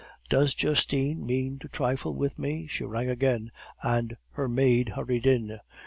Does Justine mean to trifle with me?' She rang again; her maid hurried in.